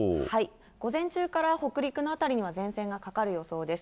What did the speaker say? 午前中から北陸の辺りには前線がかかる予想です。